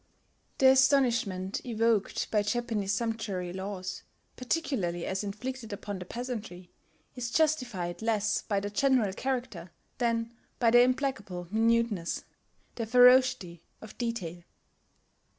The astonishment evoked by Japanese sumptuary laws, particularly as inflicted upon the peasantry, is justified less by their general character than by their implacable minuteness, their ferocity of detail....